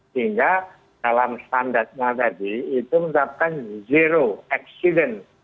sehingga dalam standarnya tadi itu menerapkan zero accident